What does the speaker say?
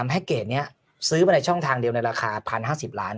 แพ็กเกจนี้ซื้อมาในช่องทางเดียวในราคา๑๐๕๐ล้าน